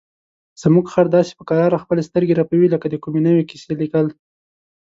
زموږ خر داسې په کراره خپلې سترګې رپوي لکه د کومې نوې کیسې لیکل.